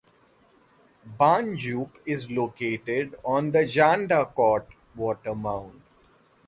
Banjup is located on the Jandakot Water Mound.